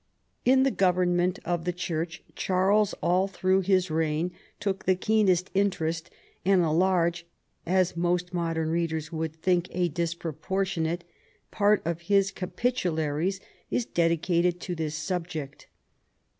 In the government of the church Charles all through his reign took the keenest interest, and a large — as most modern readers would think a dispropor tionate — part of his Capitularies is dedicated to this subject.